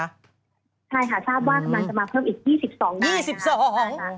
ใช่ค่ะทราบว่ากำลังจะมาเพิ่มอีกยี่สิบสองยี่สิบสอง